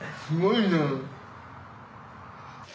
すごいな。